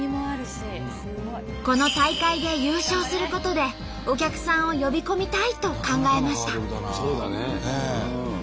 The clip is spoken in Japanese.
この大会で優勝することでお客さんを呼び込みたいと考えました。